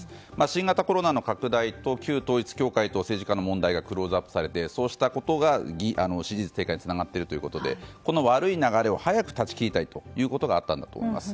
新型コロナの拡大と旧統一教会と政治家の問題がクローズアップされてそうしたことが支持率低下につながっているということでこの悪い流れを早く断ち切りたいということがあったんだと思います。